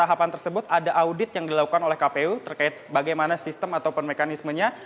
tahapan tersebut ada audit yang dilakukan oleh kpu terkait bagaimana sistem ataupun mekanismenya